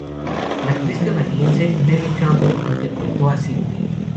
La actriz canadiense Neve Campbell interpretó a Sidney.